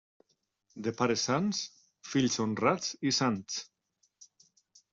De pares sans, fills honrats i sants.